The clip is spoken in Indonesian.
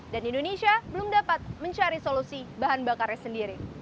dan indonesia belum dapat mencari solusi bahan bakarnya sendiri